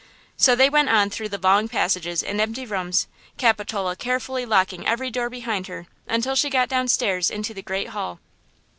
So they went on through the long passages and empty rooms. Capitola carefully locking every door behind her until she got down stairs into the great hall.